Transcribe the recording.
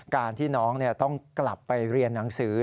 การที่น้องต้องกลับไปเรียนหนังสือ